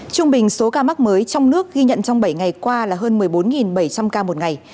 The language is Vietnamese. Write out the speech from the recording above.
trung bình số ca mắc mới trong nước ghi nhận trong bảy ngày qua là hơn một mươi bốn bảy trăm linh ca một ngày